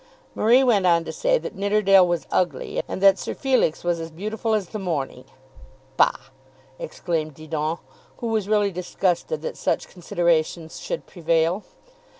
Marie went on to say that Nidderdale was ugly, and that Sir Felix was as beautiful as the morning. "Bah!" exclaimed Didon, who was really disgusted that such considerations should prevail.